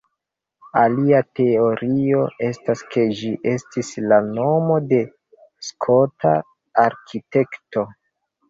Alia teorio estas ke ĝi estis la nomo de Skota arkitekto.